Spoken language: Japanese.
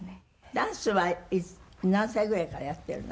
ダンスは何歳ぐらいからやってるの？